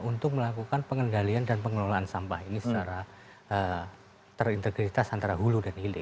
untuk melakukan pengendalian dan pengelolaan sampah ini secara terintegritas antara hulu dan hilir